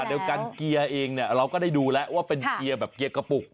เดียวกันเกียร์เองเนี่ยเราก็ได้ดูแล้วว่าเป็นเกียร์แบบเกียร์กระปุก